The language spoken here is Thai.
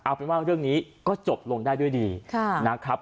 เอาเป็นว่าเรื่องนี้ก็จบลงได้ด้วยดีนะครับ